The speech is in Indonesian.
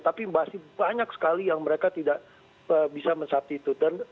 tapi masih banyak sekali yang mereka tidak bisa mensubstitutkan